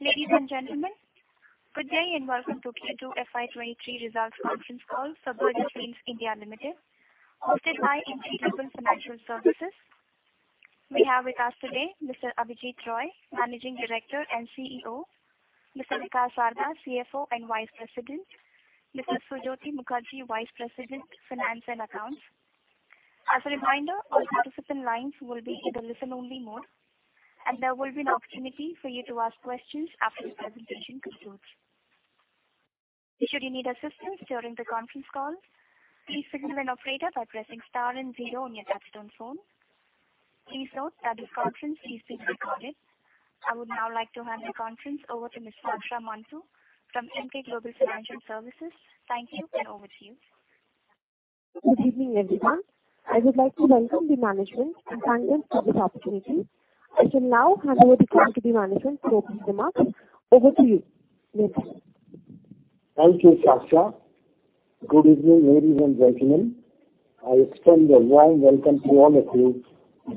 Ladies and gentlemen, good day and welcome to Q2 FY 2023 results conference call, Berger Paints India Limited, hosted by Emkay Global Financial Services. We have with us today Mr. Abhijit Roy, Managing Director and CEO, Mr. Kaushik Ghosh, CFO and Vice President, Mr. Sujyoti Mukherjee, Vice President, Finance and Accounts. As a reminder, all participants lines will be in a listen-only mode, and there will be an opportunity for you to ask questions after the presentation concludes. Should you need assistance during the conference call, please signal an operator by pressing star and zero on your touchtone phone. Please note that this conference is being recorded. I would now like to hand the conference over to Ms. Saaksha Mantoo from Emkay Global Financial Services. Thank you and over to you. Good evening, everyone. I would like to welcome the management and thank them for this opportunity. I shall now hand over the call to the management for opening remarks. Over to you. Thank you, Saaksha. Good evening, ladies and gentlemen. I extend a warm welcome to all of you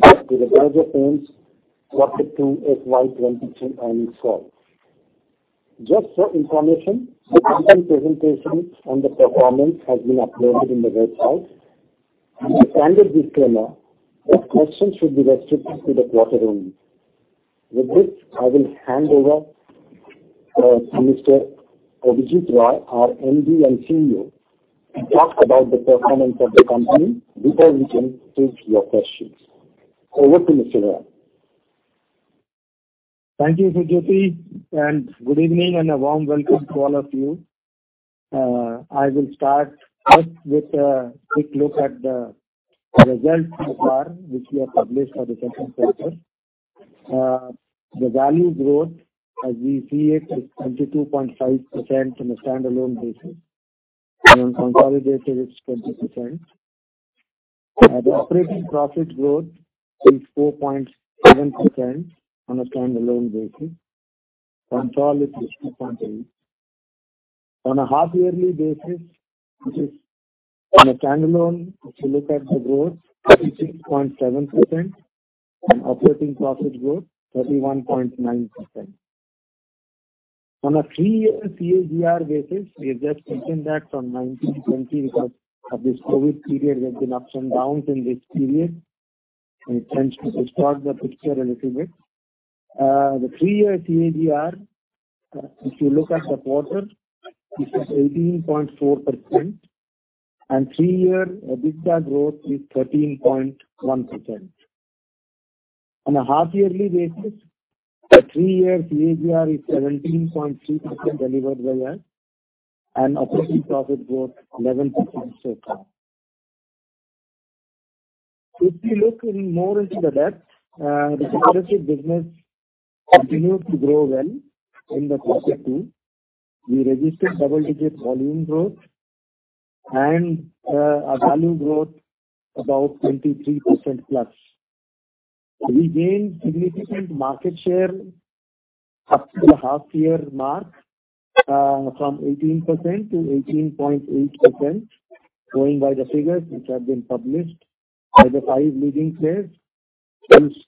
to the Berger Paints Q2 FY 2023 earnings call. Just for your information, the recent presentations on the performance has been uploaded on the website. As a standard disclaimer, your questions should be restricted to the quarter only. With this, I will hand over to Mr. Abhijit Roy, our MD and CEO, to talk about the performance of the company before we can take your questions. Over to Mr. Roy. Thank you, Sujyoti, and good evening and a warm welcome to all of you. I will start off with a quick look at the results so far, which we have published for the second quarter. The value growth as we see it is 22.5% on a standalone basis, and on consolidated it's 20%. Operating profit growth is 4.7% on a standalone basis. Consolidated is 2.8%. On a half yearly basis, which is on a standalone, if you look at the growth, 36.7% and operating profit growth, 31.9%. On a three-year CAGR basis, we have just taken that from 2019-2020 because of this COVID period. There's been ups and downs in this period, and it tends to distort the picture a little bit. The three-year CAGR, if you look at the quarter, it is 18.4%, and three-year EBITDA growth is 13.1%. On a half yearly basis, the three-year CAGR is 17.3% delivered by us, and operating profit growth, 11% so far. If you look more in depth, the decorative business continued to grow well in quarter two. We registered double-digit volume growth and a value growth about 23%+. We gained significant market share up to the half year mark, from 18%-18.8%, going by the figures which have been published by the five leading players whose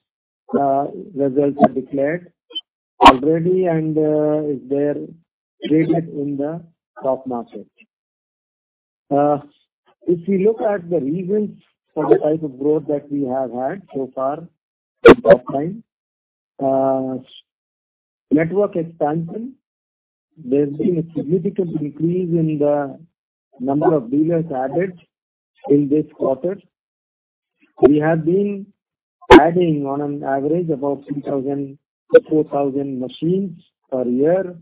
results are declared already and they represent the top market. If you look at the reasons for the type of growth that we have had so far in that time, network expansion, there's been a significant increase in the number of dealers added in this quarter. We have been adding on average about 3,000-4,000 machines per year.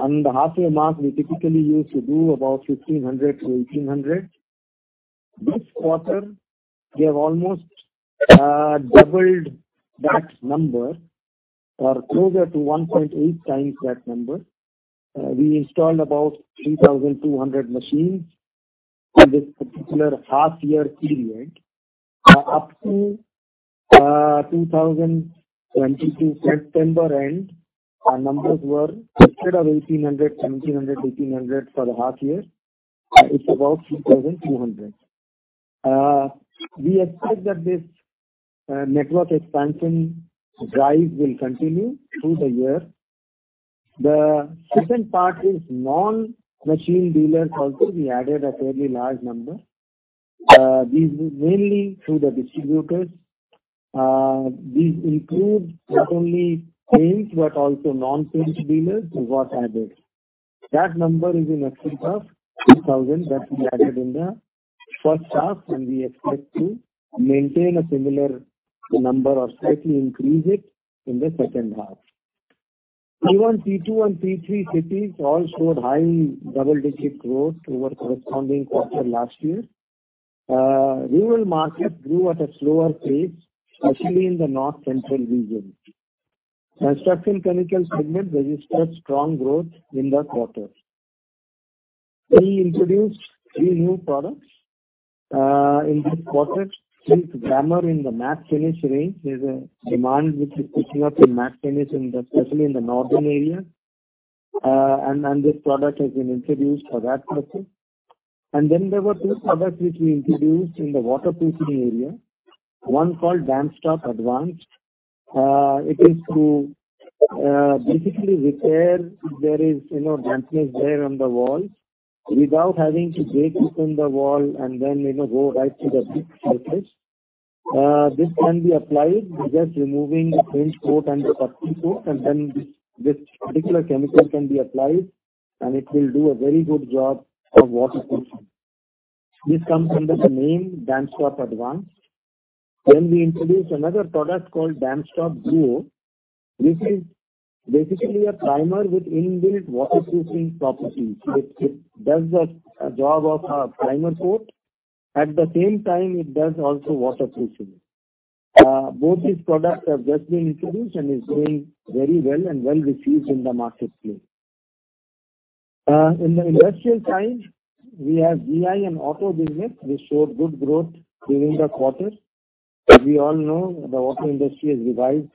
On the half year mark, we typically used to do about 1,500-1,800. This quarter we have almost doubled that number or closer to 1.8x that number. We installed about 3,200 machines in this particular half year period. Up to September end 2022, our numbers were instead of 1,800, 1,700, 1,800 for the half year, it's about 3,200. We expect that this network expansion drive will continue through the year. The second part is non-paint dealers. Also we added a fairly large number. These were mainly through the distributors. These include not only paints but also non-paints dealers who got added. That number is in excess of 2,000 that we added in the first half, and we expect to maintain a similar number or slightly increase it in the second half. T1, T2, and T3 cities all showed high double-digit growth over corresponding quarter last year. Rural markets grew at a slower pace, especially in the north-central region. Construction chemicals segment registered strong growth in the quarter. We introduced three new products in this quarter. A primer in the matte finish range, there's a demand which is picking up in matte finish especially in the northern area. This product has been introduced for that purpose. There were two products which we introduced in the waterproofing area. One called Damstop Advanced. It is to basically repair if there is, you know, dampness there on the walls without having to break open the wall and then, you know, go right to the brick surface. This can be applied by just removing the finish coat and the putty coat, and then this particular chemical can be applied, and it will do a very good job of waterproofing. This comes under the name Damstop Advanced. We introduced another product called Damstop Duo, which is basically a primer with in-built waterproofing properties. It does the job of a primer coat, at the same time, it does also waterproofing. Both these products have just been introduced and is doing very well and well-received in the marketplace. In the industrial side, we have GI and Auto business which showed good growth during the quarter. As we all know, the auto industry has revived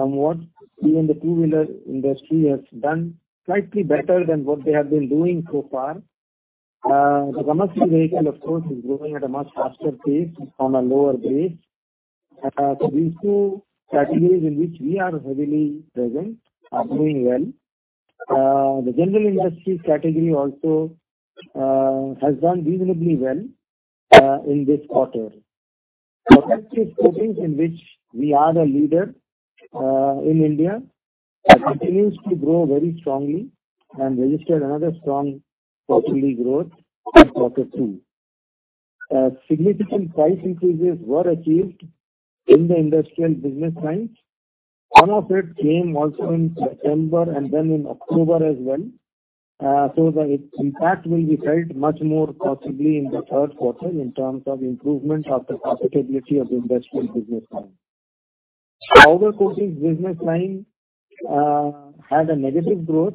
somewhat. Even the two-wheeler industry has done slightly better than what they have been doing so far. The commercial vehicle, of course, is growing at a much faster pace on a lower base. These two categories in which we are heavily present are doing well. The general industry category also has done reasonably well in this quarter. Protective coatings, in which we are the leader in India, continues to grow very strongly and registered another strong double-digit growth in quarter two. Significant price increases were achieved in the industrial business lines. Some of it came also in September and then in October as well. The impact will be felt much more possibly in the third quarter in terms of improvement of the profitability of the industrial business line. Powder coatings business line had a negative growth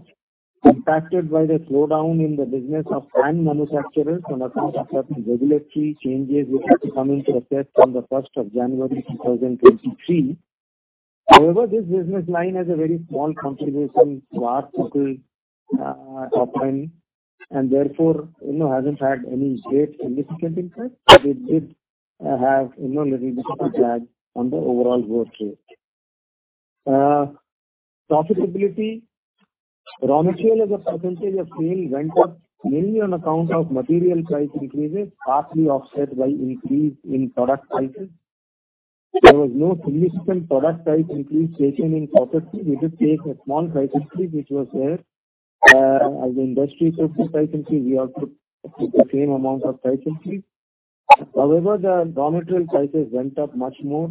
impacted by the slowdown in the business of fan manufacturers on account of certain regulatory changes which will come into effect from the 1st of January, 2023. However, this business line has a very small contribution to our total operating and therefore, you know, hasn't had any great significant impact. It did have, you know, little bit of a drag on the overall growth rate. Profitability. Raw material as a percentage of sales went up mainly on account of material price increases, partly offset by increase in product prices. There was no significant product price increase taken in quarter two. We just take a small price increase which was there. As the industry took this price increase, we also took the same amount of price increase. However, the raw material prices went up much more.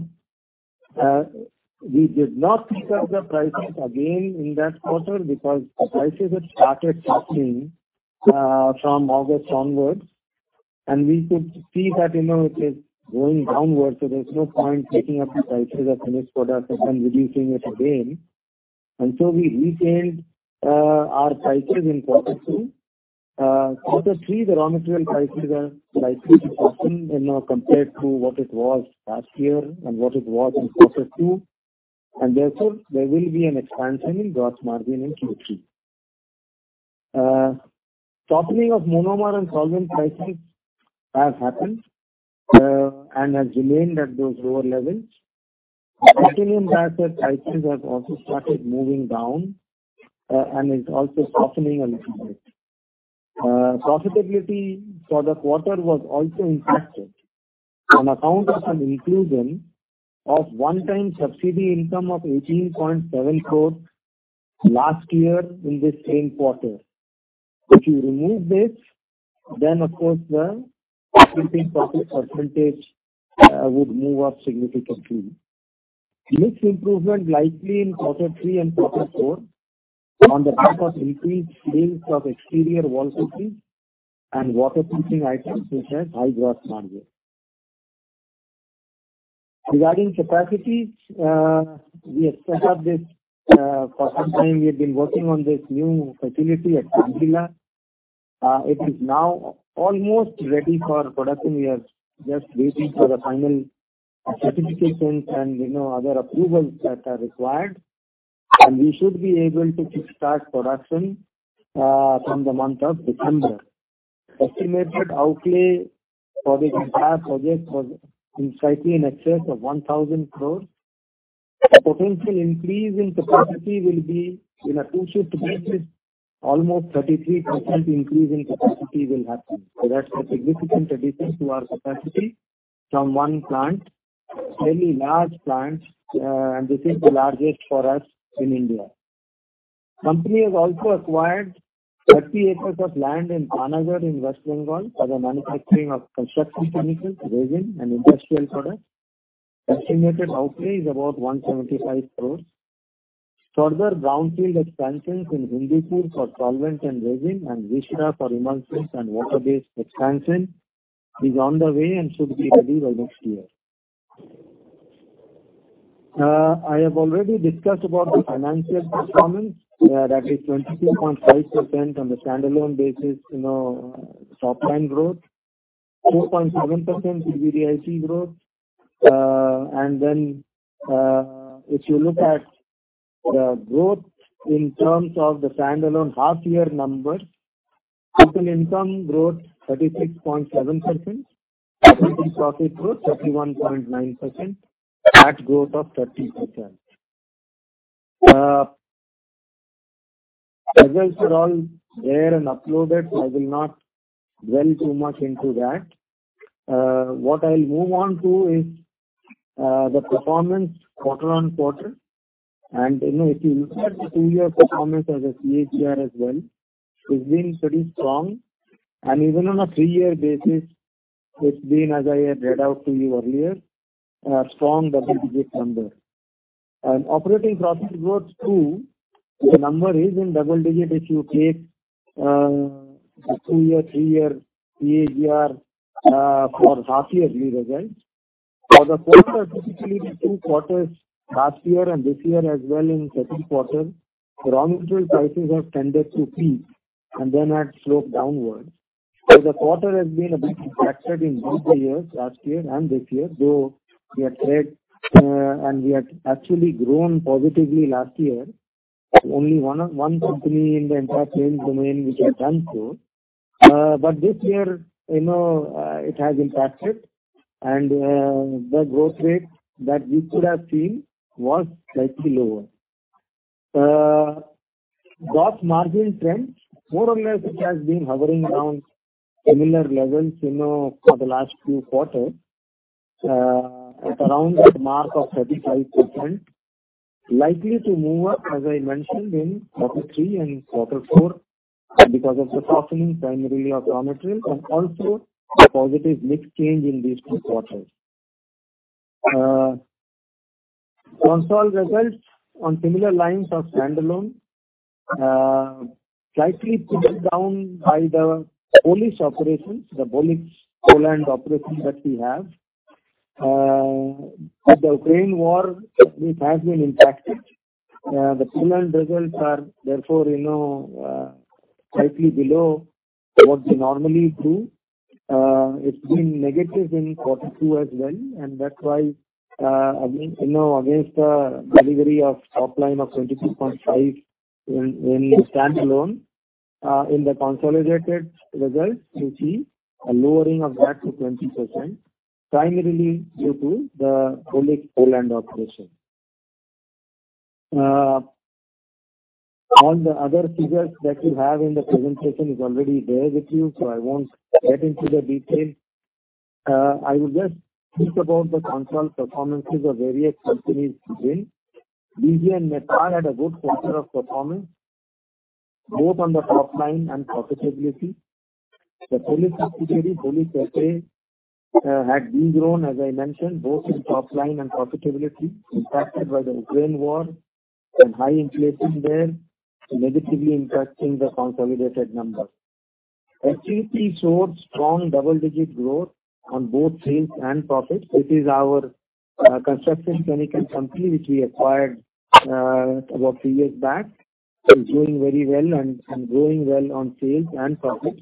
We did not pick up the prices again in that quarter because prices had started softening from August onwards, and we could see that, you know, it is going downwards, so there's no point taking up the prices of finished products and then reducing it again. We retained our prices in quarter two. Quarter three, the raw material prices are likely to soften, you know, compared to what it was last year and what it was in quarter two, and therefore there will be an expansion in gross margin in Q3. Softening of monomer and solvent prices has happened, and has remained at those lower levels. Titanium dioxide prices have also started moving down, and is also softening a little bit. Profitability for the quarter was also impacted on account of an inclusion of one-time subsidy income of 18.7 crore last year in the same quarter. If you remove this, then of course the profitability percentage would move up significantly. Mix improvement likely in quarter three and quarter four on the back of increased sales of exterior wall coatings and waterproofing items which have high gross margins. Regarding capacities, we have set up this, for some time we have been working on this new facility at Sandila. It is now almost ready for production. We are just waiting for the final certifications and, you know, other approvals that are required, and we should be able to kick-start production from the month of December. Estimated outlay for this entire project was slightly in excess of 1,000 crores. Potential increase in capacity will be on a two-shift basis, almost 33% increase in capacity will happen. That's a significant addition to our capacity from one plant, fairly large plant, and this is the largest for us in India. Company has also acquired 30 acres of land in Panagarh in West Bengal for the manufacturing of construction chemicals, resin and industrial products. Estimated outlay is about 175 crores. Further brownfield expansions in Hindupur for solvent and resin and Visakhapatnam for emulsions and water-based expansion is on the way and should be ready by next year. I have already discussed about the financial performance, that is 22.5% on the standalone basis, you know, top line growth. 4.7% EBITDA growth. If you look at the growth in terms of the standalone half year numbers, total income growth 36.7%. Operating profit growth 31.9%. Tax growth of 30%. Results are all there and uploaded. I will not dwell too much into that. What I'll move on to is the performance quarter-over-quarter. You know, if you look at the two-year performance as a CAGR as well, it's been pretty strong. Even on a three-year basis, it's been, as I had read out to you earlier, a strong double-digit number. Operating profit growth too, the number is in double digit if you take, the two-year, three-year CAGR, for half yearly results. For the quarter, typically the two quarters last year and this year as well in second quarter, raw material prices have tended to peak and then had sloped downwards. The quarter has been a bit impacted in both the years, last year and this year, though we had said, and we had actually grown positively last year. Only one company in the entire paints domain which has done so. This year, you know, it has impacted and, the growth rate that we could have seen was slightly lower. Gross margin trend, more or less it has been hovering around similar levels, you know, for the last few quarters, at around the mark of 35%. Likely to move up, as I mentioned, in quarter three and quarter four because of the softening primarily of raw material and also a positive mix change in these two quarters. Consolidated results on similar lines of standalone, slightly pulled down by the Polish operations, the Bolix Poland operations that we have. With the Ukraine war, it has been impacted. The Poland results are therefore, you know, slightly below what they normally do. It's been negative in quarter two as well. That's why, again, you know, against the delivery of top line of 22.5% in the standalone, in the consolidated results you see a lowering of that to 20%, primarily due to the Bolix Poland operation. All the other figures that you have in the presentation is already there with you, so I won't get into the detail. I will just speak about the consolidated performances of various companies within. Berger Becker had a good quarter of performance, both on the top line and profitability. The Polish subsidiary, Bolix, had de-grown, as I mentioned, both in top line and profitability, impacted by the Ukraine war and high inflation there negatively impacting the consolidated numbers. STP showed strong double-digit growth on both sales and profits. This is our construction chemicals company which we acquired about three years back. It's doing very well and growing well on sales and profits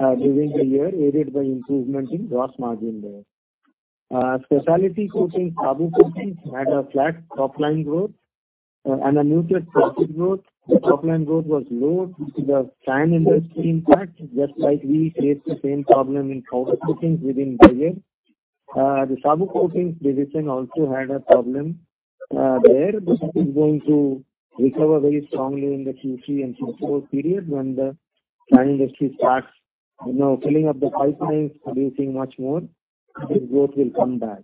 during the year, aided by improvement in gross margin there. Specialty coatings, Saboo Coatings, had a flat top line growth and a neutral profit growth. The top line growth was low due to the sign industry impact, just like we faced the same problem in powder coatings within Berger. The Saboo Coatings division also had a problem there. This is going to recover very strongly in the Q3 and Q4 period when the sign industry starts, you know, filling up the pipelines, producing much more, this growth will come back.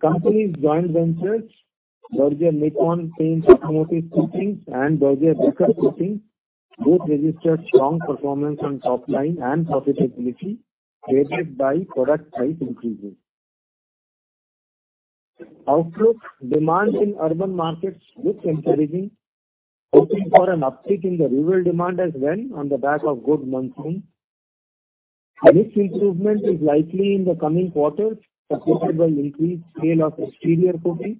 Company's joint ventures, Berger Nippon Paint Automotive Coatings and Berger Becker Coatings, both registered strong performance on top line and profitability, aided by product price increases. Outlook. Demand in urban markets looks encouraging. Hoping for an uptick in the rural demand as well on the back of good monsoon. Mix improvement is likely in the coming quarters, supported by increased sale of exterior coatings.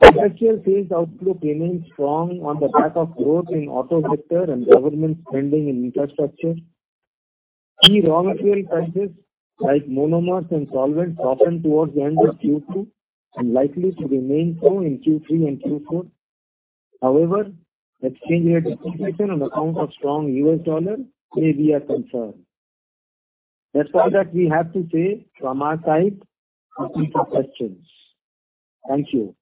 Industrial sales outlook remains strong on the back of growth in auto sector and government spending in infrastructure. Key raw material prices like monomers and solvents softened towards the end of Q2 and likely to remain so in Q3 and Q4. However, exchange rate depreciation on account of strong U.S. dollar may be a concern. That's all that we have to say from our side. Open for questions. Thank you.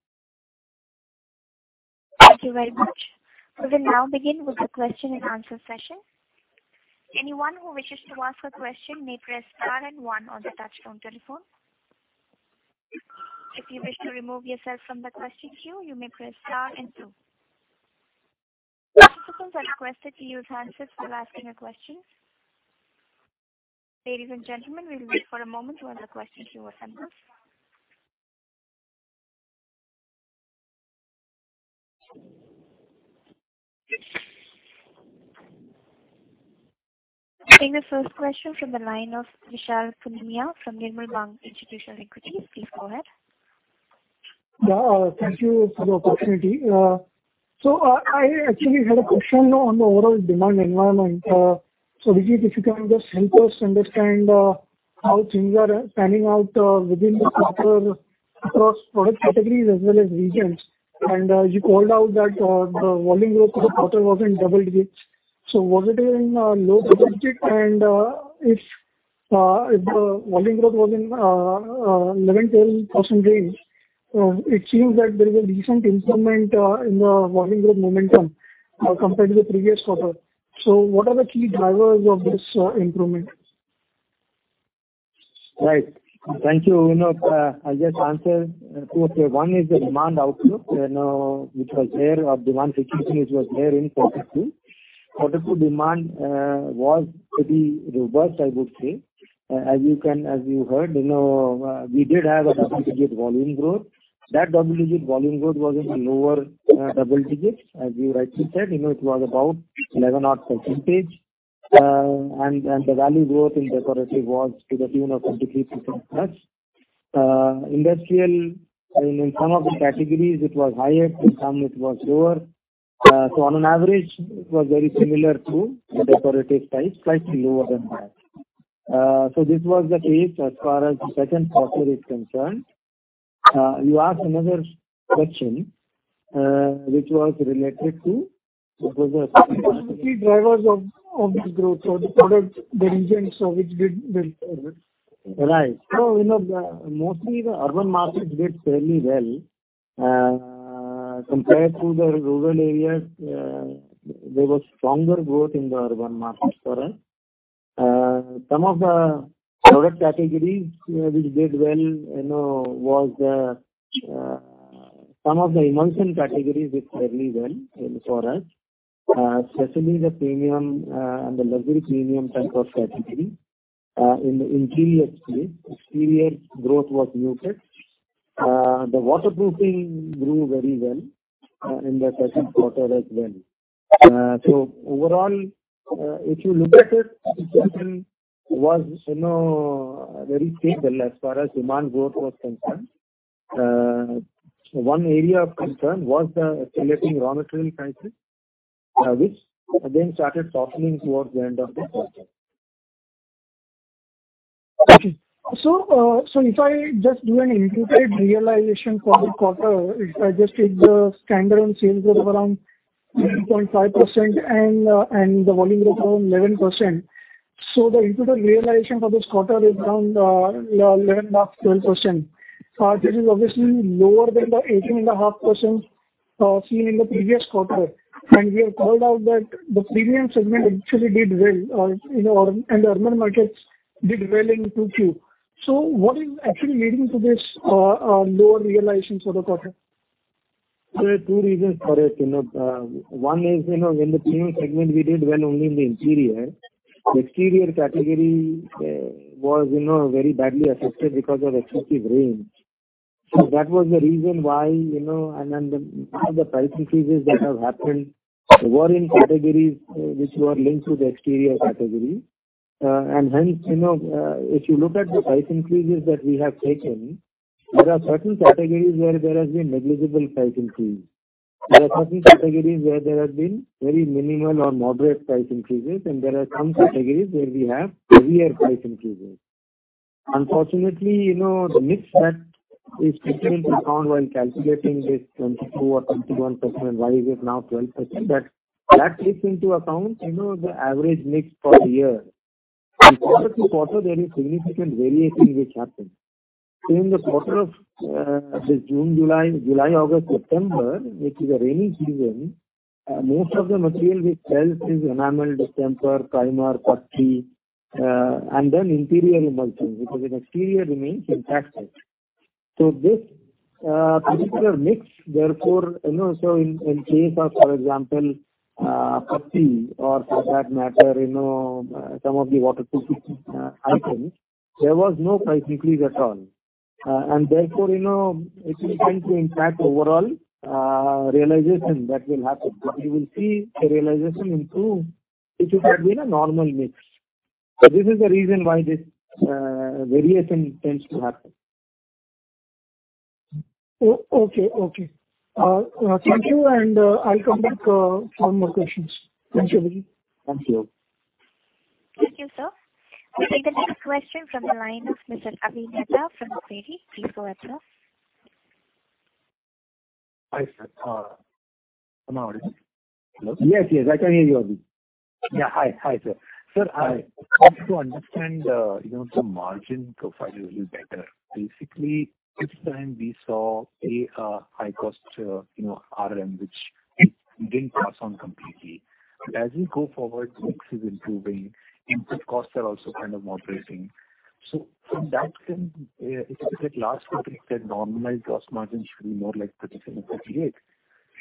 Thank you very much. We will now begin with the question and answer session. Anyone who wishes to ask a question may press star and one on the touch-tone telephone. If you wish to remove yourself from the question queue, you may press star and two. Participants are requested to use handset while asking a question. Ladies and gentlemen, we'll wait for a moment while the question queue assembles. I think the first question from the line of Vishal Pandya from Nirmal Bang Institutional Equities. Please go ahead. Yeah, thank you for the opportunity. I actually had a question on the overall demand environment. Abhijit, if you can just help us understand how things are panning out within the quarter across product categories as well as regions. You called out that the volume growth for the quarter was in double digits. Was it in low double digit? If the volume growth was in 11%-12% range, it seems that there is a decent increment in the volume growth momentum compared to the previous quarter. What are the key drivers of this improvement? Right. Thank you. You know, I'll just answer two or three. One is the demand outlook, you know, which was there or demand situation which was there in Q2. Q2 demand was pretty robust, I would say. As you heard, you know, we did have a double-digit volume growth. That double-digit volume growth was in the lower double digits. As you rightly said, you know, it was about 11 odd percentage. And the value growth in decorative was to the tune of 23%+. Industrial, I mean, in some of the categories it was higher, in some it was lower. So on average it was very similar to the decorative side, slightly lower than that. So this was the case as far as the second quarter is concerned. You asked another question, which was related to. What were the key drivers of this growth? The products, the regions, so which did Right. You know, mostly the urban markets did fairly well. Compared to the rural areas, there was stronger growth in the urban markets for us. Some of the product categories, you know, which did well, you know, some of the emulsion categories did fairly well for us, especially the premium and the luxury premium type of category in the interior space. Exterior growth was muted. The waterproofing grew very well in the second quarter as well. Overall, if you look at it, the second was you know very stable as far as demand growth was concerned. One area of concern was the accelerating raw material prices, which again started softening towards the end of the quarter. Okay. If I just do an integrated realization for the quarter, if I just take the standalone sales growth of around 2.5% and the volume growth around 11%. The integrated realization for this quarter is around 11.5%-12%. This is obviously lower than the 18.5% seen in the previous quarter. We have called out that the premium segment actually did well in urban and the urban markets did well in 2Q. What is actually leading to this lower realization for the quarter? There are two reasons for it, you know. One is, you know, in the premium segment, we did well only in the interior. The exterior category was, you know, very badly affected because of excessive rains. That was the reason why, you know. The price increases that have happened were in categories, which were linked to the exterior category. Hence, you know, if you look at the price increases that we have taken, there are certain categories where there has been negligible price increase. There are certain categories where there have been very minimal or moderate price increases, and there are some categories where we have heavier price increases. Unfortunately, you know, the mix that is taken into account when calculating this 22% or 21%, why is it now 12%? That takes into account, you know, the average mix for the year. Quarter-to-quarter, there is significant variation which happens. In the quarter of this June, July, August, September, which is a rainy season, most of the material we sell is enamel, distemper, primer, putty, and then interior emulsion, because in exterior remains impacted. This particular mix, therefore, you know. In case of, for example, putty or for that matter, you know, some of the waterproofing items, there was no price increase at all. And therefore, you know, it will tend to impact overall realization that will happen. But you will see the realization improve if it had been a normal mix. This is the reason why this variation tends to happen. Okay. Thank you. I'll come back for more questions. Thank you, Abhijit. Thank you. Thank you, sir. We'll take the next question from the line of Mr. Avi Mehta from Kotak. Please go ahead, sir. Hi, sir. Am I audible? Hello? Yes, yes. I can hear you, Abhi. Yeah. Hi. Hi, sir. Sir, I want to understand, you know, the margin profile a little better. Basically, this time we saw a high cost, you know, RM which you didn't pass on completely. As we go forward, mix is improving, input costs are also kind of moderating. From that sense, I think that last quarter you said normalized gross margin should be more like 37%-38%.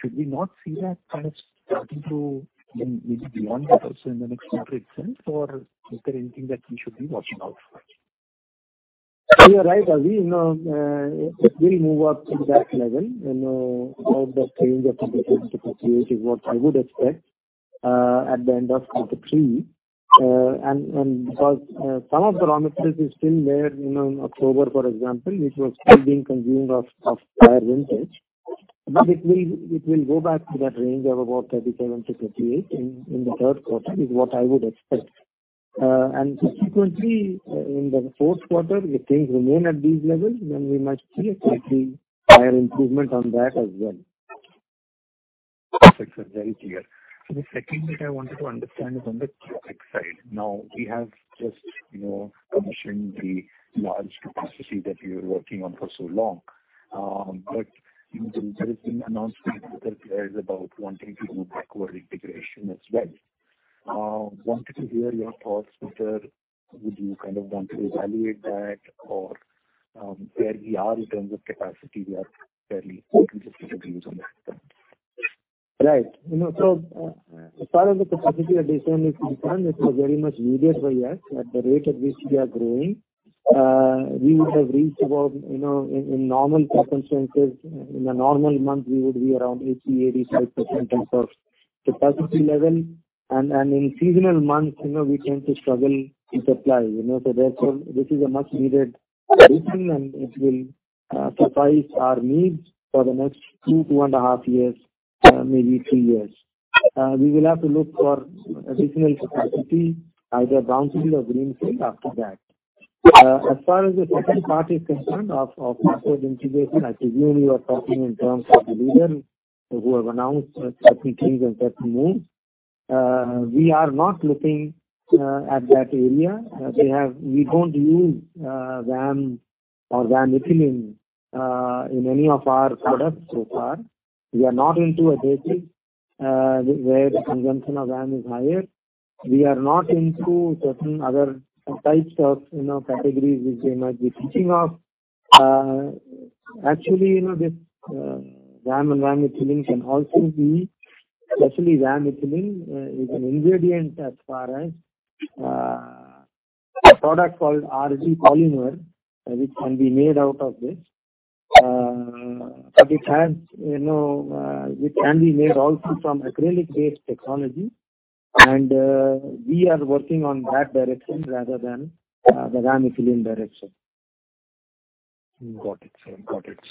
Should we not see that kind of starting to maybe beyond that also in the next quarter itself, or is there anything that we should be watching out for? You are right, Abhi. You know, it will move up to that level. You know, around that range of 37%-38% is what I would expect. At the end of quarter three. And because some of the raw materials is still there, you know, in October, for example, it was still being consumed of prior vintage. But it will go back to that range of about 37%-38% in the third quarter, is what I would expect. And subsequently, in the fourth quarter, if things remain at these levels, then we might see a slightly higher improvement on that as well. Perfect, sir. Very clear. The second thing I wanted to understand is on the capacity side. Now, we have just, you know, commissioned the large capacity that you were working on for so long. You know, there have been announcements that they're about to do backward integration as well. Wanted to hear your thoughts, which are, would you kind of want to evaluate that or, where we are in terms of capacity, we are fairly optimistic at least on that front. Right. You know, as far as the capacity addition is concerned, it was very much needed by us. At the rate at which we are growing, we would have reached about, you know, in normal circumstances, in a normal month, we would be around 80%-85% in terms of capacity level. In seasonal months, you know, we tend to struggle in supply, you know. Therefore, this is a much needed addition, and it will suffice our needs for the next 2.5 Years, maybe three years. We will have to look for additional capacity, either brownfield or greenfield after that. As far as the second part is concerned of backward integration, I presume you are talking in terms of the leader who have announced certain things and certain moves. We are not looking at that area. We don't use VAM or VAM ethylene in any of our products so far. We are not into adhesives where the consumption of VAM is higher. We are not into certain other types of, you know, categories which they might be thinking of. Actually, you know, this VAM and VAM ethylene can also be, especially VAM ethylene, is an ingredient as far as a product called PVA Polymer which can be made out of this. It has, you know, it can be made also from acrylic-based technology, and we are working on that direction rather than the VAM ethylene direction. Got it,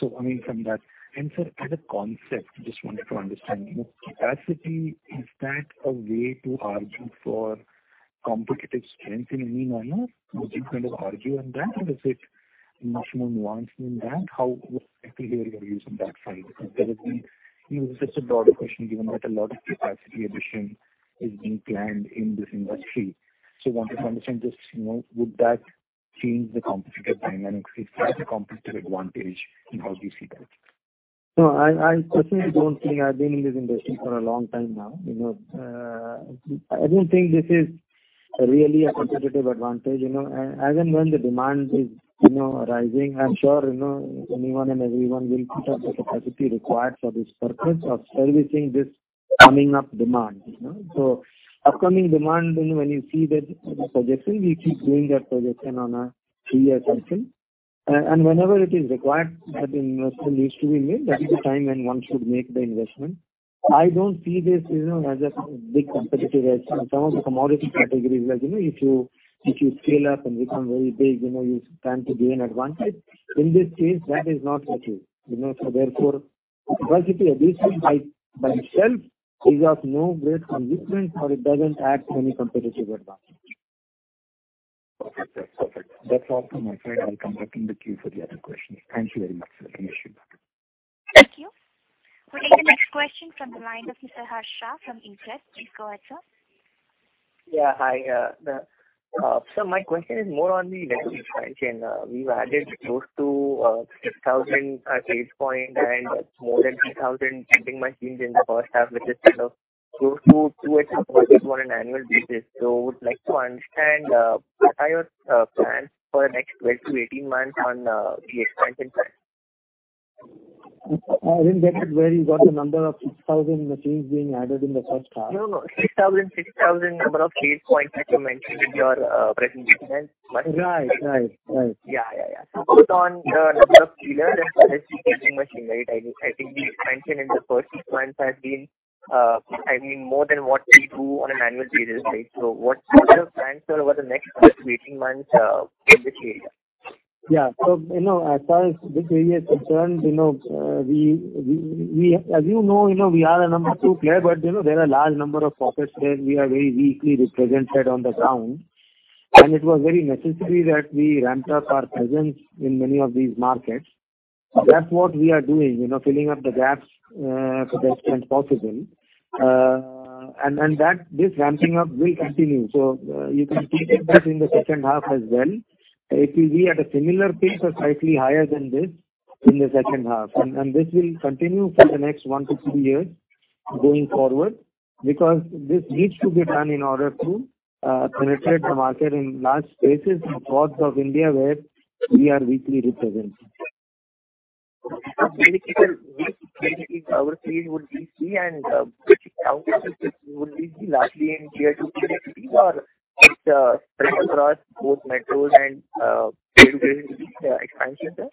sir. I mean, from that. Sir, as a concept, just wanted to understand, you know, capacity, is that a way to argue for competitive strength in any manner? Would you kind of argue on that, or is it much more nuanced than that? How, what exactly are you using that side? Because there has been, you know, this is a broader question, given that a lot of capacity addition is being planned in this industry. Wanted to understand just, you know, would that change the competitive dynamics? Is there a competitive advantage, and how do you see that? No, I personally don't think I've been in this industry for a long time now, you know. I don't think this is really a competitive advantage, you know. As and when the demand is, you know, rising, I'm sure, you know, anyone and everyone will put up the capacity required for this purpose of servicing this coming up demand, you know. Upcoming demand, you know, when you see that projection, we keep doing that projection on a three-year cycle. Whenever it is required that investment needs to be made, that is the time when one should make the investment. I don't see this, you know, as a big competitive edge in terms of commodity categories where, you know, if you scale up and become very big, you know, you stand to gain advantage. In this case, that is not the case. You know, therefore, capacity addition by itself is of no great consequence, or it doesn't add any competitive advantage. Okay, sir. Perfect. That's all from my side. I'll come back in the queue for the other questions. Thank you very much, sir. Thank you. Thank you. We'll take the next question from the line of Mr. Harsh Shah from Investec. Please go ahead, sir. Yeah. Hi. Sir, my question is more on the retail side. We've added close to 6,000 basis points and more than 3,000 vending machines in the first half, which is kind of close to two extra purchase on an annual basis. Would like to understand what are your plans for the next 12 to 18 months on the expansion side? I didn't get it where you got the number of 6,000 machines being added in the first half. No, no. 6,000 number of sales points that you mentioned in your presentation. Right. Yeah. Both on the number of dealers and sales and vending machine, right? I think we mentioned in the first six months has been, I mean, more than what we do on an annual basis, right? What's your plan, sir, over the next 12 to 18 months, in this area? Yeah. You know, as far as this area is concerned, you know, as you know, you know, we are a number two player, but, you know, there are large number of pockets where we are very weakly represented on the ground, and it was very necessary that we ramped up our presence in many of these markets. That's what we are doing, you know, filling up the gaps to best extent possible. And that, this ramping up will continue. You can keep expecting the second half as well. It will be at a similar pace or slightly higher than this in the second half. This will continue for the next one to two years going forward because this needs to be done in order to penetrate the market in large spaces in parts of India where we are weakly represented. Which countries would be largely in Tier 2, Tier 3 cities or is it spread across both metros and Tier 2, Tier 3 cities expansion, sir?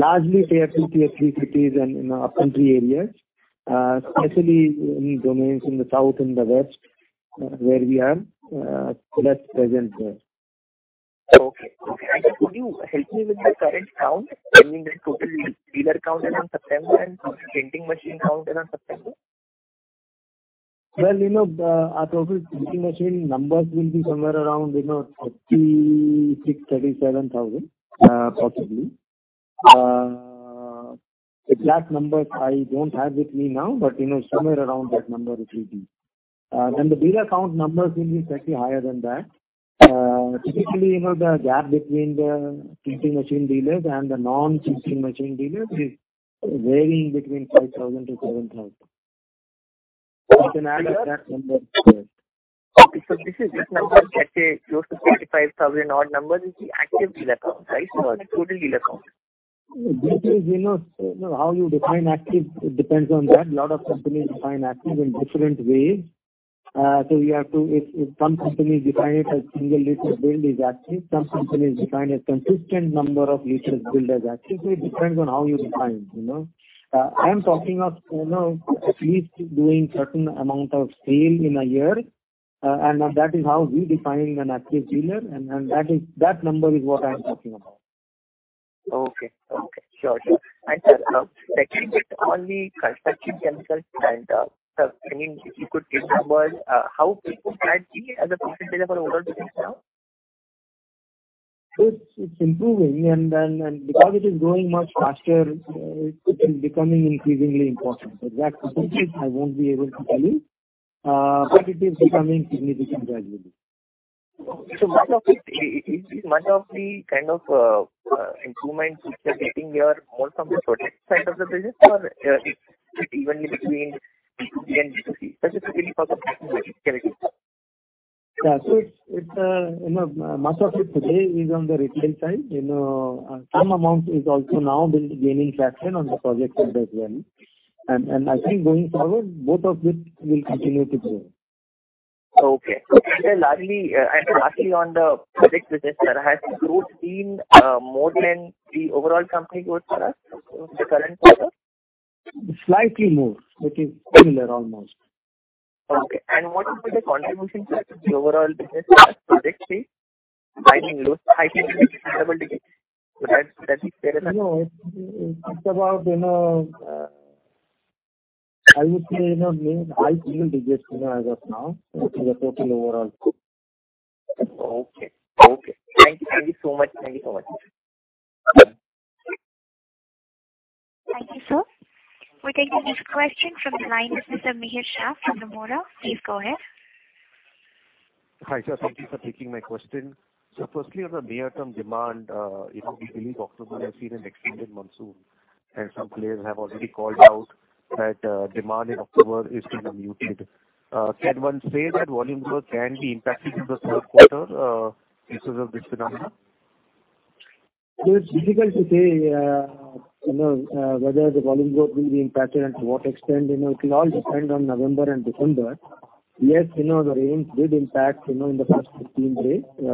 Largely Tier 2, Tier 3 cities and, you know, upcountry areas, especially in domains in the South and the West, where we are less present there. Okay. Could you help me with the current count, I mean, the total dealer count as on September and painting machine count as on September? Well, you know, our total painting machine numbers will be somewhere around 36,000-37,000, possibly. The exact numbers I don't have with me now, but, you know, somewhere around that number it will be. The dealer count numbers will be slightly higher than that. Typically, you know, the gap between the painting machine dealers and the non-painting machine dealers is varying between 5,000-7,000. We can add the exact numbers there. This is, this number, let's say close to 35,000-odd number is the active dealer count, right? Or total dealer count. This is, you know, how you define active depends on that. A lot of companies define active in different ways. If some companies define it as single liter build is active, some companies define a consistent number of liters build as active. It depends on how you define, you know. I am talking of, you know, at least doing certain amount of sale in a year, and that is how we define an active dealer and that is, that number is what I'm talking about. Okay. Sure. Technically it's only construction chemicals and, so I mean, if you could give numbers, how people are seeing as a percentage of overall business now? It's improving and because it is growing much faster, it is becoming increasingly important. The exact percentage I won't be able to tell you, but it is becoming significant gradually. Much of it is the kind of improvements which are getting here more from the project side of the business, or it's evenly between B2B and B2C, specifically for the construction business category. Yeah. It's, you know, much of it today is on the retail side. You know, some amount is also now building, gaining traction on the projects side as well. I think going forward, both of it will continue to grow. Okay. Largely on the project business that has grown in more than the overall company growth, sir, the current quarter? Slightly more. It is similar, almost. Okay. What is the contribution to the overall business as projects is driving growth high single digits, double digits? That is clear enough. You know, it's about, you know, I would say, you know, mid-high single digits%, you know, as of now to the total overall. Okay. Thank you so much. Okay. Thank you, sir. We take the next question from the line of Mr. Mihir Shah from Motilal Oswal. Please go ahead. Hi, sir. Thank you for taking my question. Firstly on the near-term demand, you know, we believe October has seen an extended monsoon, and some players have already called out that, demand in October is to be muted. Can one say that volume growth can be impacted in the third quarter, because of this phenomenon? It's difficult to say, you know, whether the volume growth will be impacted and to what extent. You know, it'll all depend on November and December. Yes, you know, the rains did impact, you know, in the past 15 days. The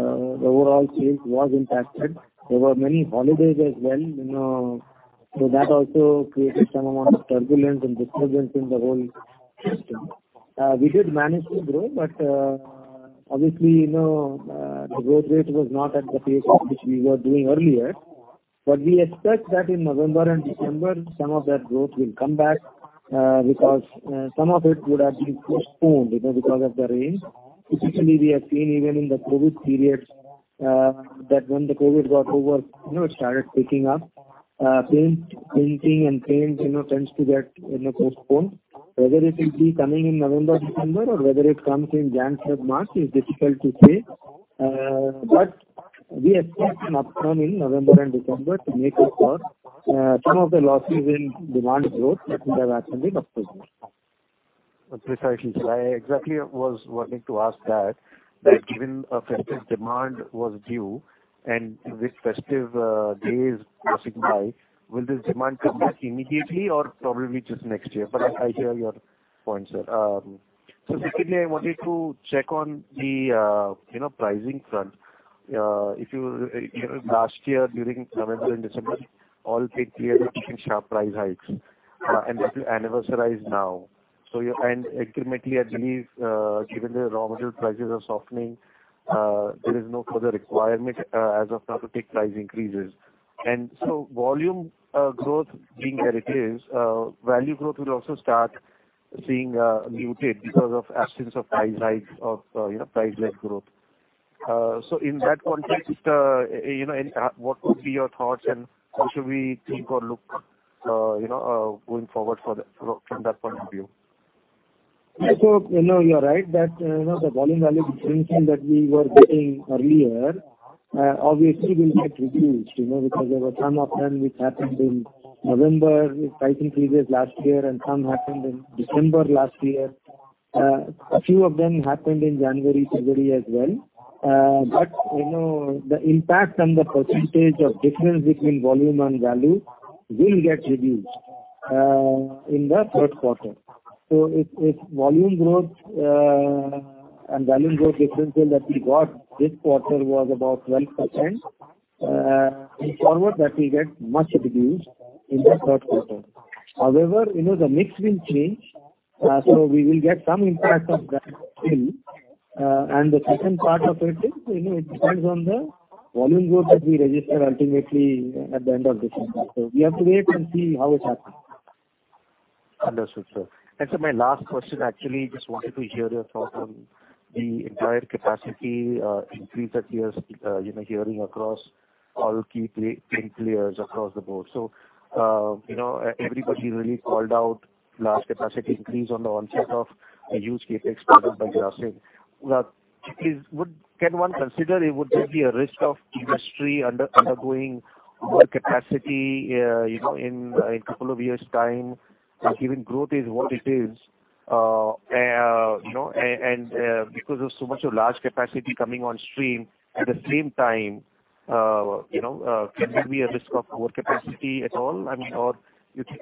overall sales was impacted. There were many holidays as well, you know, so that also created some amount of turbulence and disruptions in the whole system. We did manage to grow but, obviously, you know, the growth rate was not at the pace which we were doing earlier. But we expect that in November and December some of that growth will come back, because, some of it would have been postponed, you know, because of the rain. Especially we have seen even in the COVID periods, that when the COVID got over, you know, it started picking up. Painting and paint, you know, tends to get, you know, postponed. Whether it will be coming in November, December or whether it comes in January, February, March is difficult to say. We expect an upswing in November and December to make up for some of the losses in demand growth that would have happened in October. Precisely, sir. I exactly was wanting to ask that given a festive demand was due and with festive days passing by, will this demand come back immediately or probably just next year? I hear your point, sir. Secondly, I wanted to check on the you know, pricing front. If last year during November and December, all paint players were taking sharp price hikes and that will anniversarize now. Incrementally, I believe, given the raw material prices are softening, there is no further requirement as of now to take price increases. Volume growth being where it is, value growth will also start seeing muted because of absence of price hikes of you know, price-led growth. In that context, you know, any, what would be your thoughts and how should we think or look, you know, going forward for, from that point of view? You're right that the volume value distinction that we were getting earlier obviously will get reduced, you know, because there were some of them which happened in November with price increases last year and some happened in December last year. A few of them happened in January, February as well. The impact on the percentage of difference between volume and value will get reduced in the third quarter. If volume growth and volume growth differential that we got this quarter was about 12%, going forward that will get much reduced in the third quarter. However, you know, the mix will change, so we will get some impact of that still. The second part of it is, you know, it depends on the volume growth that we register ultimately at the end of this financial year. We have to wait and see how it happens. Understood, sir. My last question, actually, just wanted to hear your thought on the entire capacity increase that we are, you know, hearing across all key paint players across the board. You know, everybody really called out large capacity increase on the onset of a huge CapEx program by Grasim. Now, please, can one consider it would just be a risk of industry undergoing overcapacity, you know, in a couple of years' time, given growth is what it is, you know, and because there's so much of large capacity coming on stream at the same time, you know, can there be a risk of overcapacity at all? I mean, or you think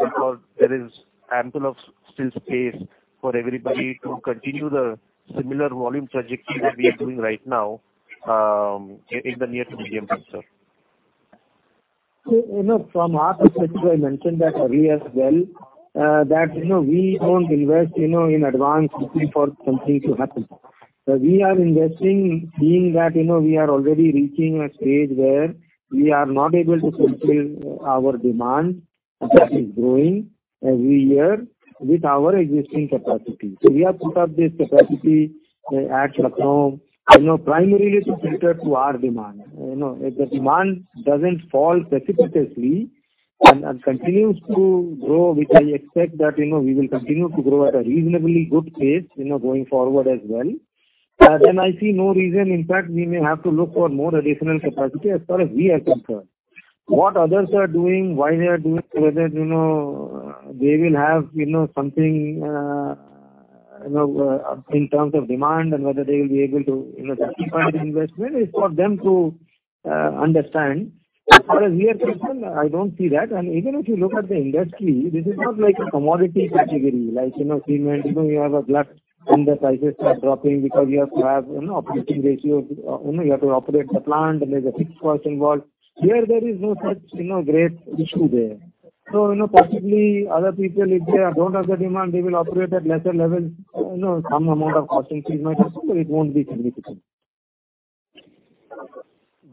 there is ample of still space for everybody to continue the similar volume trajectory that we are doing right now, in the near to medium term, sir? From our perspective, I mentioned that earlier as well, that you know, we don't invest you know, in advance waiting for something to happen. We are investing being that you know, we are already reaching a stage where we are not able to fulfill our demand, which is growing every year with our existing capacity. We have put up this capacity at Lucknow you know, primarily to cater to our demand. You know, if the demand doesn't fall precipitously and continues to grow, which I expect that you know, we will continue to grow at a reasonably good pace you know, going forward as well, then I see no reason. In fact, we may have to look for more additional capacity as far as we are concerned. What others are doing, why they are doing, whether, you know, they will have, you know, something in terms of demand and whether they will be able to, you know, justify the investment is for them to understand. As far as we are concerned, I don't see that. Even if you look at the industry, this is not like a commodity category. Like, you know, cement, you know, you have a glut and the prices are dropping because you have to have, you know, operating ratios. You know, you have to operate the plant and there's a fixed cost involved. Here there is no such, you know, great issue there. Possibly other people, if they don't have the demand, they will operate at lesser levels. You know, some amount of cost increase might occur, but it won't be significant.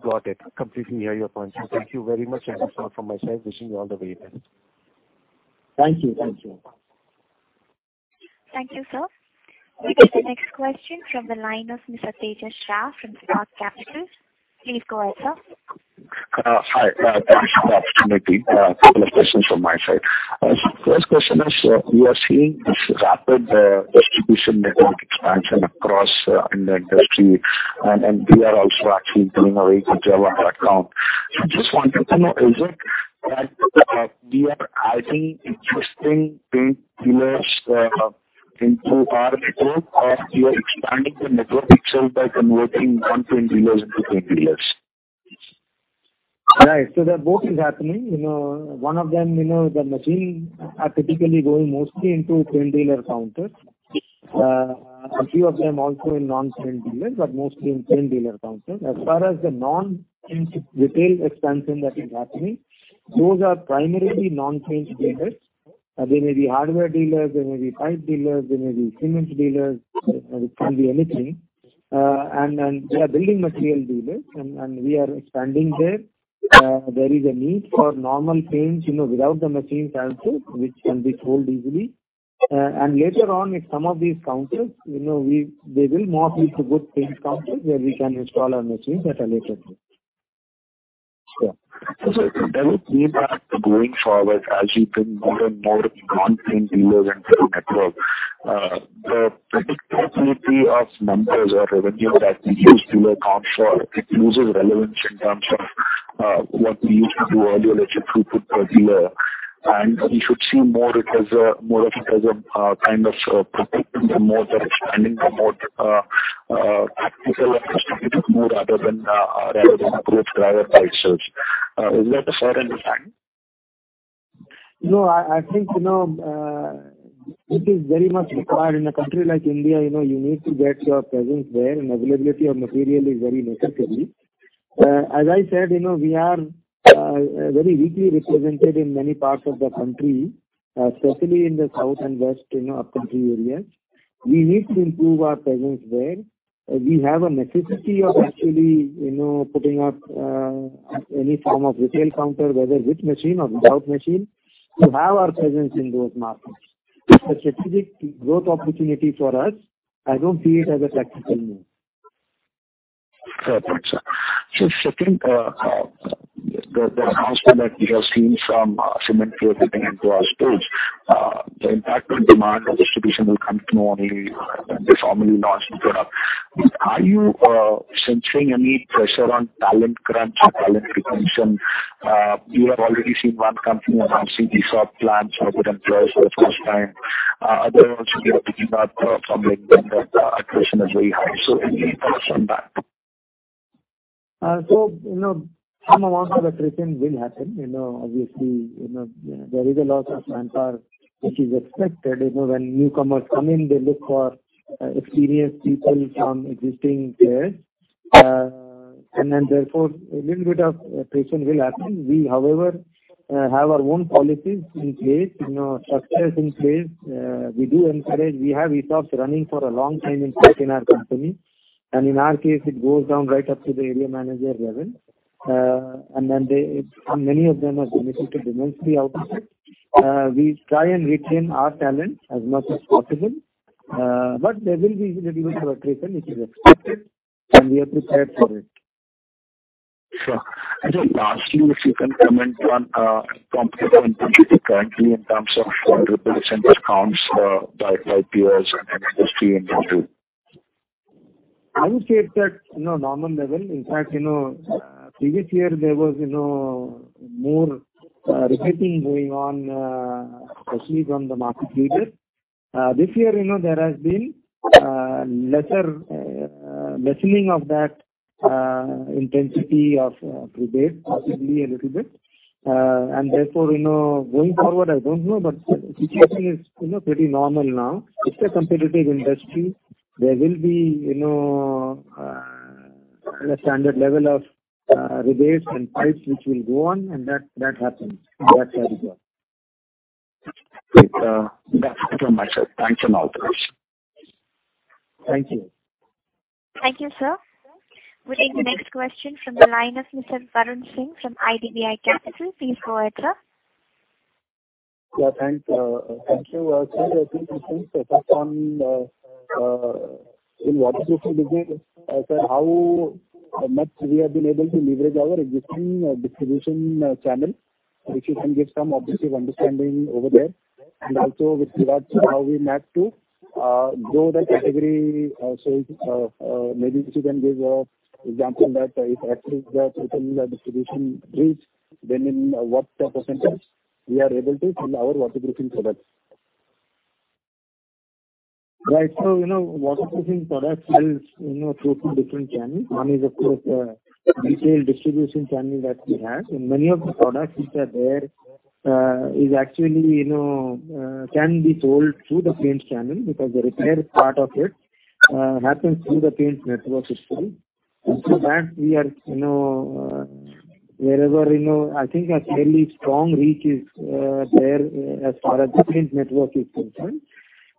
Got it. I completely hear your point, sir. Thank you very much. That is all from my side. Wishing you all the very best. Thank you. Thank you. Thank you, sir. We take the next question from the line of Mr. Tejas Shah from PhillipCapital. Please go ahead, sir. Hi. Thank you for the opportunity. Couple of questions from my side. First question is, we are seeing this rapid distribution network expansion across the industry, and we are also actually doing a very good job on our account. Just wanted to know, is it that we are adding interesting paint dealers into our network or we are expanding the network itself by converting non-paint dealers into paint dealers? Right. Both is happening. You know, one of them, you know, the machines are typically going mostly into paint dealer counters. A few of them also in non-paint dealers, but mostly in paint dealer counters. As far as the non-paint retail expansion that is happening, those are primarily non-paint dealers. They may be hardware dealers, they may be pipe dealers, they may be cement dealers. It can be anything. They are building material dealers and we are expanding there. There is a need for normal paints, you know, without the machines also, which can be sold easily. Later on, if some of these counters, you know, they will morph into good paint counters where we can install our machines at a later date. Sure. There will be a going forward as you bring more and more non-paint dealers into the network. The predictability of numbers or revenue that we used to account for, it loses relevance in terms of what we used to do earlier as a throughput per dealer. We should see more of it as a kind of protecting the modes that are expanding the mode, practical approach to it more rather than a growth driver by itself. Is that a fair understanding? No, I think, you know, it is very much required in a country like India, you know, you need to get your presence there, and availability of material is very necessary. As I said, you know, we are very weakly represented in many parts of the country, especially in the south and west, you know, upcountry areas. We need to improve our presence there. We have a necessity of actually, you know, putting up any form of retail counter, whether with machine or without machine, to have our presence in those markets. It's a strategic growth opportunity for us. I don't see it as a tactical move. Fair point, sir. Second, the announcement that we have seen some cement players getting into paints, the impact on demand or distribution will come to know only when this product is actually launched. Are you sensing any pressure on talent crunch or talent retention? You have already seen one company announcing the ESOP plans for employees for the first time. Others also we are picking up from like when the attrition is very high. Any thoughts on that? You know, some amount of attrition will happen. You know, obviously, you know, there is a lot of manpower which is expected. You know, when newcomers come in, they look for experienced people from existing players. Then therefore a little bit of attrition will happen. We, however, have our own policies in place, you know, structures in place. We do encourage. We have ESOPs running for a long time in fact in our company. In our case, it goes down right up to the area manager level. Many of them are benefited immensely out of it. We try and retain our talent as much as possible. There will be little bit of attrition which is expected, and we are prepared for it. Sure. Just lastly, if you can comment on competitive intensity currently in terms of repositioned accounts by peers and industry in general? I would say it's at, you know, normal level. In fact, you know, previous year there was, you know, more rebating going on, especially from the market leaders. This year, you know, there has been lessening of that intensity of rebate possibly a little bit. Therefore, you know, going forward, I don't know, but the situation is, you know, pretty normal now. It's a competitive industry. There will be, you know, a standard level of rebates and price which will go on and that happens. That's how it goes. Great. That's it from myself. Thanks a lot. Thank you. Thank you, sir. We'll take the next question from the line of Mr. Varun Singh from IDBI Capital. Please go ahead, sir. Yeah, thanks. Thank you. Sir, I think my first focus on in waterproofing business. Sir, how much we have been able to leverage our existing distribution channel? If you can give some obvious understanding over there. Also with regards to how we plan to grow the category. Maybe if you can give an example that if Axis the total distribution reach, then in what percentage we are able to sell our waterproofing products? Right. You know, waterproofing products sells, you know, through two different channels. One is, of course, detailed distribution channel that we have. Many of the products which are there, is actually, you know, can be sold through the paints channel because the repair part of it, happens through the paints network history. After that we are, you know, wherever, you know, I think a fairly strong reach is, there as far as the paint network is concerned.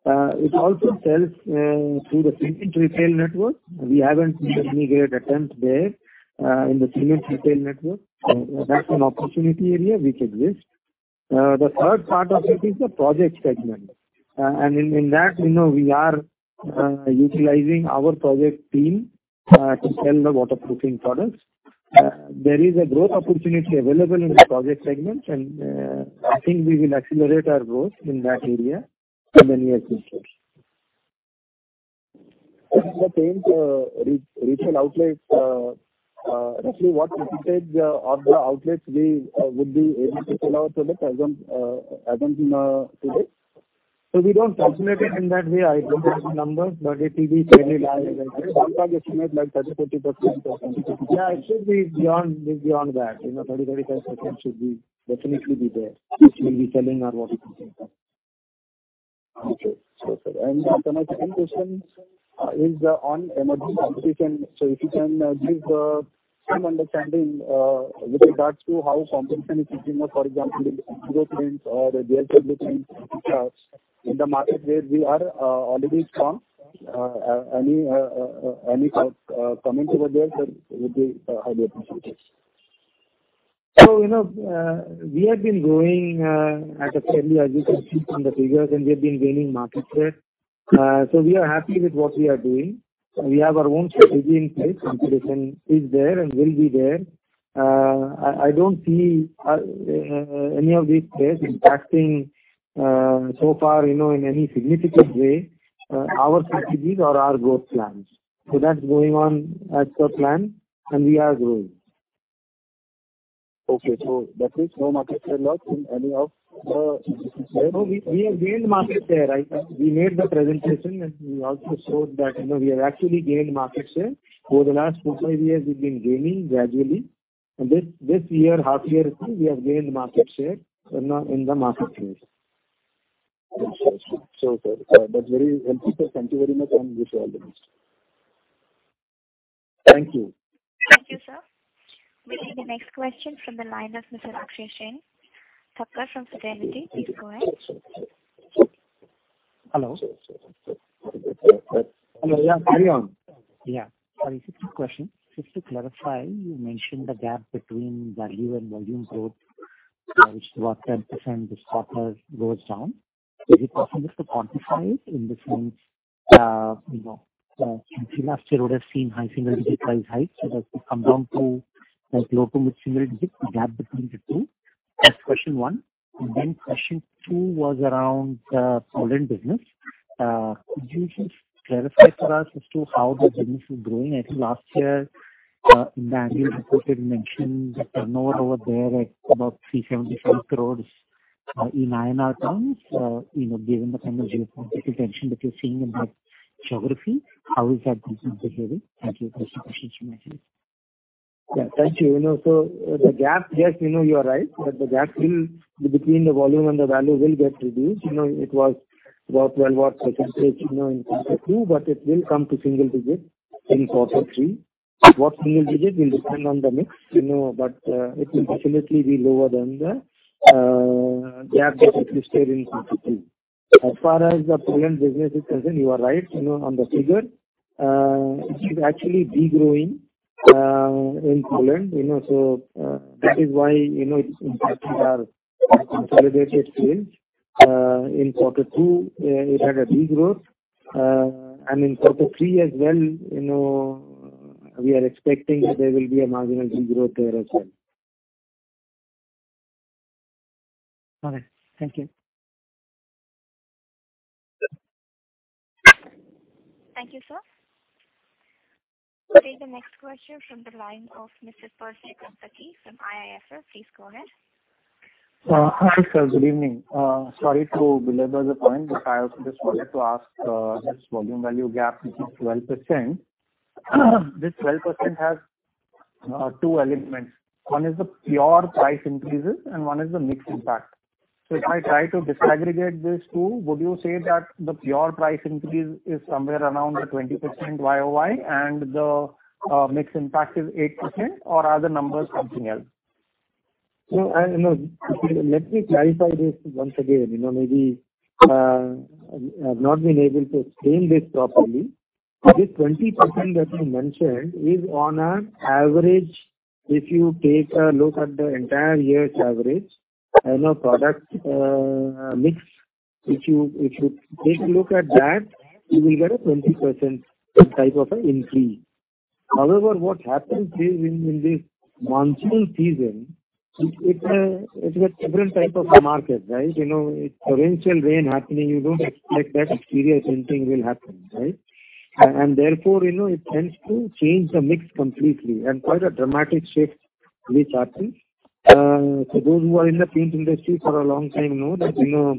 It also sells through the cement retail network. We haven't made any great attempts there in the cement retail network. That's an opportunity area which exists. The third part of it is the project segment. In that, you know, we are utilizing our project team to sell the waterproofing products. There is a growth opportunity available in the project segments, and I think we will accelerate our growth in that area in the near future. In the paint retail outlets, roughly what percentage of the outlets we would be able to sell our products as on today? We don't calculate it in that way. I don't have the numbers, but it will be fairly large I think. I think ballpark estimate like 30%-40% or something. Yeah, it should be beyond that. You know, 30%-35% should definitely be there which will be selling our waterproofing products. Okay. Sure, sir. My second question is on emerging competition. If you can give some understanding with regards to how competition is heating up, for example, Indigo Paints or JSW Paints, which are in the market where we are already strong. Any comment over there, sir, would be highly appreciated. You know, we have been growing, as you can see from the figures, and we have been gaining market share. We are happy with what we are doing. We have our own strategy in place. Competition is there and will be there. I don't see any of these players impacting so far, you know, in any significant way our strategies or our growth plans. That's going on as per plan, and we are growing. Okay. That means no market share loss in any of the businesses there? No, we have gained market share. We made the presentation and we also showed that, you know, we have actually gained market share. Over the last four to five years, we've been gaining gradually. This year, half year also we have gained market share in the marketplace. Okay. Sure, sir. That's very helpful. Thank you very much, and wish you all the best. Thank you. Thank you, sir. We'll take the next question from the line of Mr. Akshayshen Tucker from Fidelity. Please go ahead. Hello. Hello. Yeah, carry on. Yeah. Sorry, just a quick question. Just to clarify, you mentioned the gap between value and volume growth, which about 10% this quarter goes down. Is it possible to quantify it in the sense, you know, I think last year would have seen high single digit price hikes. So that could come down to like low double single digits, the gap between the two. That's question one. Question two was around, Poland business. Could you please clarify for us as to how the business is growing? I think last year, in the annual report you had mentioned the turnover over there at about 375 crores INR. In INR terms, you know, given the kind of geopolitical tension that you're seeing in that geography, how is that going to be behaving? Thank you. Yeah. Thank you. You know, so the gap, yes, you know you are right, but the gap will between the volume and the value get reduced. You know, it was about 12-odd%, you know, in quarter two, but it will come to single digits in quarter three. What single digits will depend on the mix, you know, but it will definitely be lower than the gap that existed in Q2. As far as the Poland business is concerned, you are right. You know, on the figure. It is actually degrowing in Poland, you know, so that is why, you know, it's impacting our consolidated sales. In quarter two, it had a degrowth. In quarter three as well, you know, we are expecting that there will be a marginal degrowth there as well. All right. Thank you. Thank you, sir. I'll take the next question from the line of Mr. Percy Panthaki from IIFL. Please go ahead. Hi, sir. Good evening. Sorry to belabor the point, but I also just wanted to ask, this volume value gap, which is 12%. This 12% has two elements. One is the pure price increases and one is the mix impact. If I try to disaggregate these two, would you say that the pure price increase is somewhere around the 20% YOY and the mix impact is 8%, or are the numbers something else? You know, let me clarify this once again. You know, maybe, I've not been able to explain this properly. This 20% that you mentioned is on average. If you take a look at the entire year's average and a product mix, if you take a look at that, you will get a 20% type of an increase. However, what happens is in this monsoon season, it's a different type of a market, right? You know, with torrential rain happening, you don't expect that exterior painting will happen, right? Therefore, you know, it tends to change the mix completely and quite a dramatic shift which happens. Those who are in the paint industry for a long time know that, you know,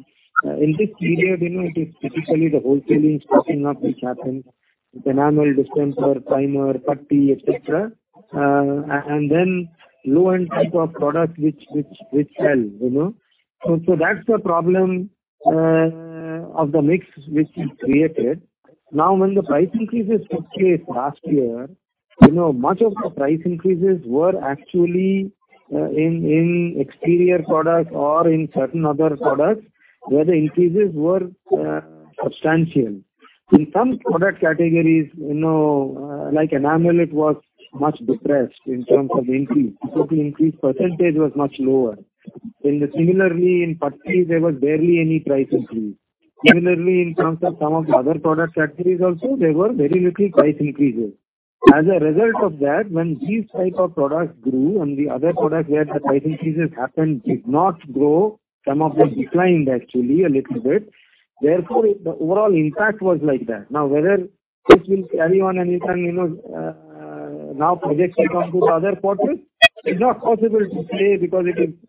in this period, you know, it is typically the wholesaling stocking up which happens with enamel, distemper, primer, putty, et cetera. Then low-end type of products which sell, you know. That's the problem of the mix which is created. Now, when the price increases took place last year, you know, much of the price increases were actually in exterior products or in certain other products where the increases were substantial. In some product categories, you know, like enamel, it was much depressed in terms of increase. So the increase percentage was much lower. Similarly, in putty there was barely any price increase. Similarly, in terms of some of the other product categories also there were very little price increases. As a result of that, when these type of products grew and the other products where the price increases happened did not grow, some of them declined actually a little bit. Therefore, the overall impact was like that. Now, whether this will carry on and you can, you know, now project it on to the other quarters, it's not possible to say because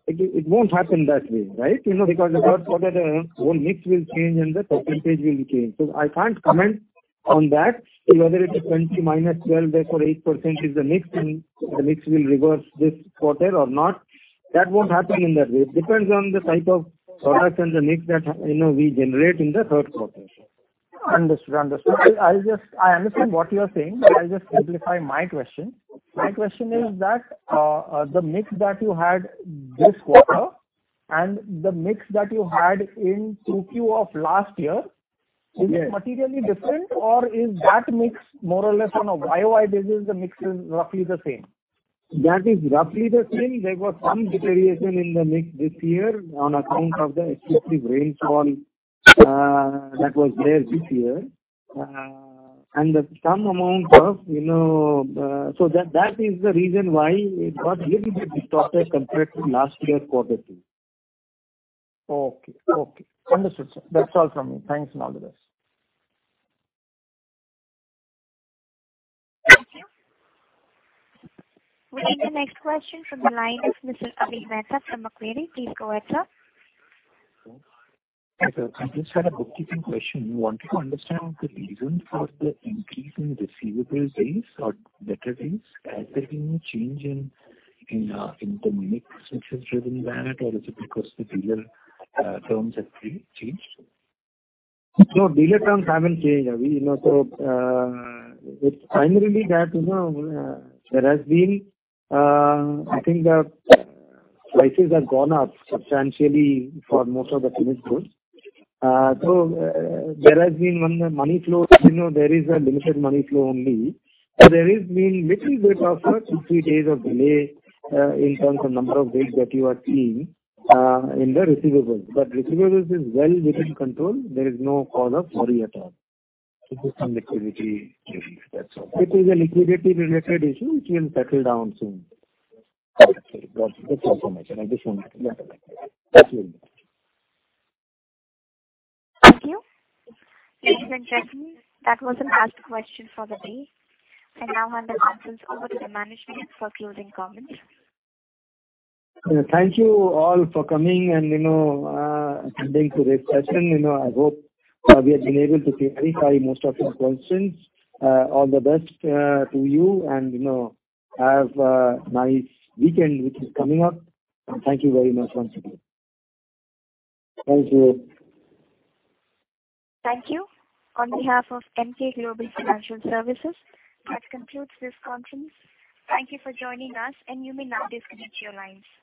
it won't happen that way, right? You know, because the third quarter whole mix will change and the percentage will change. I can't comment on that. Whether it is 20 - 12, therefore 8% is the mix and the mix will reverse this quarter or not, that won't happen in that way. It depends on the type of products and the mix that, you know, we generate in the third quarter. Understood. I understand what you are saying. I'll just simplify my question. My question is that, the mix that you had this quarter and the mix that you had in 2Q of last year. Yes. Is it materially different or is that mix more or less on a YOY basis? The mix is roughly the same? That is roughly the same. There was some deterioration in the mix this year on account of the excessive rainfall that was there this year. That is the reason why it got little bit distorted compared to last year's quarter two. Okay. Understood, sir. That's all from me. Thanks and all the best. Thank you. We'll take the next question from the line of Mr. Avi Mehta from Macquarie. Please go ahead, sir. Hi, sir. I just had a bookkeeping question. Wanted to understand the reason for the increase in receivables days or debtor days. Has there been a change in the mix which is driving that, or is it because the dealer terms have been changed? No, dealer terms haven't changed, Avi. You know, it's primarily that, you know, there has been, I think the prices have gone up substantially for most of the finished goods. There has been, on the money flow, you know, there is a limited money flow only. There has been little bit of a 60 days of delay, in terms of number of days that you are seeing, in the receivables. But receivables is well within control. There is no cause of worry at all. It is some liquidity relief. That's all. It is a liquidity related issue which will settle down soon. Correct, sir. Good information. Additional. Yeah. Thank you. Thank you. Ladies and gentlemen, that was the last question for the day, and now I'll hand the conference over to the management for closing comments. Thank you all for coming and, you know, attending today's session. You know, I hope, we have been able to clarify most of your questions. All the best, to you and, you know, have a nice weekend which is coming up. Thank you very much once again. Thank you. Thank you. On behalf of Emkay Global Financial Services, that concludes this conference. Thank you for joining us and you may now disconnect your lines.